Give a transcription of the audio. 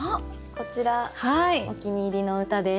こちらお気に入りの歌です。